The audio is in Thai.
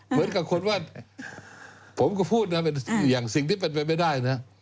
เหมือนกับคนว่าผมก็พูดนะเป็นอย่างสิ่งที่เป็นไปไม่ได้นะ